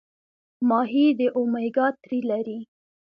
ماهي د اومیګا تري لري